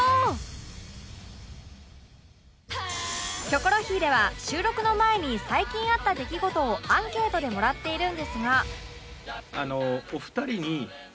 『キョコロヒー』では収録の前に最近あった出来事をアンケートでもらっているんですが